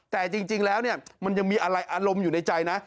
แต่จริงแล้วเนี่ยมันยังมีอะไรอารมณ์อยู่ในใจนะ